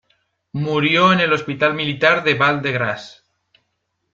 Murió en el Hospital Militar de Val-de-Grâce.